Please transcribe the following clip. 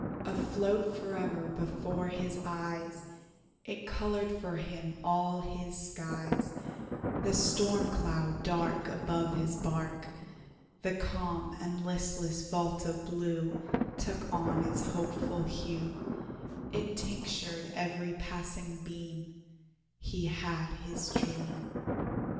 Afloat fore'er before his eyes, It colored for him all his skies: The storm cloud dark Above his bark, The calm and listless vault of blue Took on its hopeful hue, It tinctured every passing beam He had his dream.